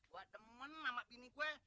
gue demen sama bini gue